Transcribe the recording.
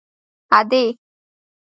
_ادې!!!